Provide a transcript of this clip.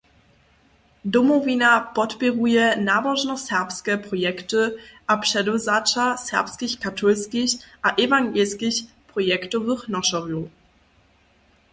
Domowina podpěruje nabožno-serbske projekty a předewzaća serbskich katolskich a ewangelskich projektowych nošerjow.